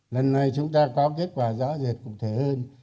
lần này chúng ta có kết quả rõ rệt cục thể hơn